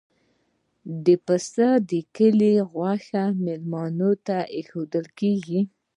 د پسه د کلي غوښه میلمه ته ایښودل کیږي.